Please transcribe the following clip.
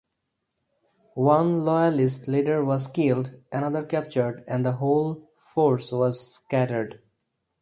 One Loyalist leader was killed, another captured, and the whole force was scattered.